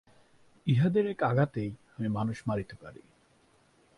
ইহাদের এক আঘাতেই আমি মানুষ মারিতে পারি।